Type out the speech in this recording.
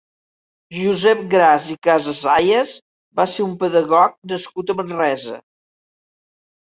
Josep Gras i Casasayas va ser un pedagog nascut a Manresa.